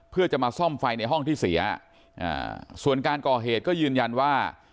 เพื่อจะมาซ่อมไฟในห้องที่เสียส่วนการก่อเหตุก็ยืนยันว่า